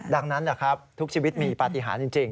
ดังนั้นแหละครับทุกชีวิตมีปฏิหารจริง